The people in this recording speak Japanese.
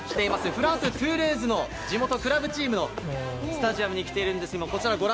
フランス・トゥールーズの地元クラブチームのスタジアムに来ています。